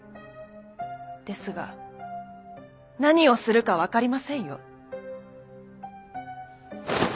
ですが何をするか分かりませんよ。